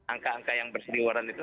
angka angka yang berseliwaran itu